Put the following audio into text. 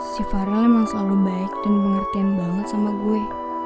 si farel memang selalu baik dan pengertian banget sama gue